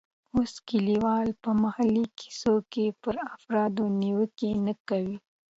اوس کلیوال په محلي کیسو کې پر افراط نیوکې نه کوي.